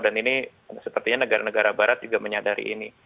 dan ini sepertinya negara negara barat juga menyadari ini